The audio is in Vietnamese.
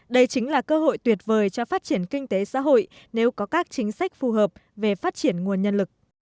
đây chính là cơ hội tuyệt vời cho phát triển kinh tế xã hội nếu có các chính sách phù hợp về phát triển nguồn nhân lực